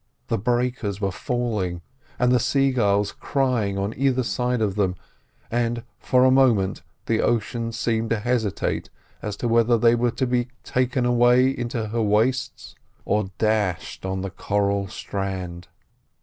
The breakers were falling and the sea gulls crying on either side of them, and for a moment the ocean seemed to hesitate as to whether they were to be taken away into her wastes, or dashed on the coral strand.